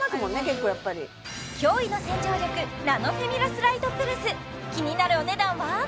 結構やっぱり驚異の洗浄力ナノフェミラス・ライトプラスキニナルお値段は？